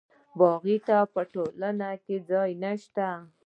باغي ته په ټولنه کې ځای نشته.